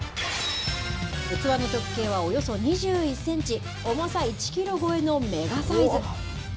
器の直径はおよそ２１センチ、重さ１キロ超えのメガサイズ。